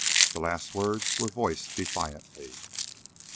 The last words were voiced defiantly.